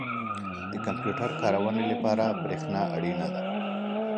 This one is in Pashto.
• د کمپیوټر کارونې لپاره برېښنا اړینه ده.